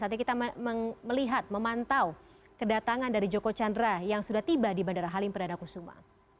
saatnya kita melihat memantau kedatangan dari joko chandra yang sudah tiba di bandara halim perdana kusuma